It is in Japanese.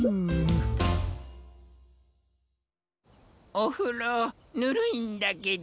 おふろぬるいんだけど。